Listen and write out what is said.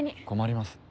困ります。